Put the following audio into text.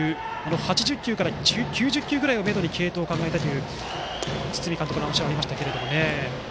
８０球から９０球くらいをめどに継投を考えたいという堤監督の話がありましたけれども。